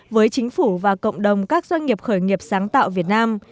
với chính phủ và cộng đồng các doanh nghiệp khởi nghiệp sáng tạo việt nam